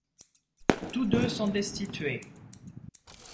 Tous deux sont destitués.